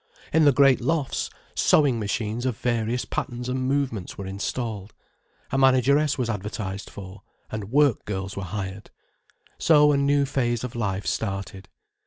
In the great lofts sewing machines of various patterns and movements were installed. A manageress was advertised for, and work girls were hired. So a new phase of life started.